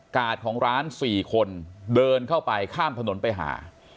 ของร้าน๔คนเดินเข้าไปข้ามถนนไปหา